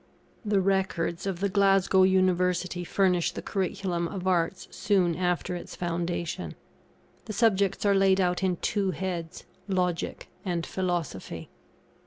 The records of the Glasgow University furnish the curriculum of Arts soon after its foundation. The subjects are laid out in two heads Logic and Philosophy.